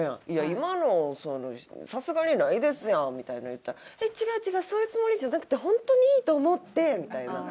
「今のさすがにないですやん」みたいの言ったら「えっ違う違うそういうつもりじゃなくてホントにいいと思って」みたいな。